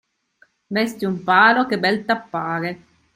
Vesti un palo che bel t'appare.